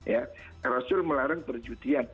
ya rasul melarang perjudian